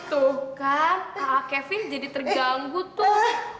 tuh kan kak kevin jadi terganggu tuh